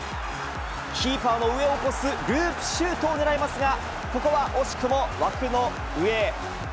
キーパーの上を越すループシュートを狙いますが、ここは惜しくも枠の上。